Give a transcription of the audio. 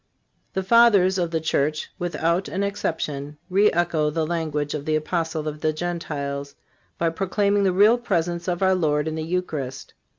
The Fathers of the Church, without an exception, re echo the language of the Apostle of the Gentiles by proclaiming the Real Presence of our Lord in the Eucharist.